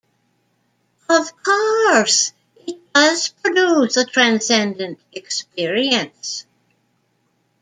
Of course, it does produce a transcendent experience.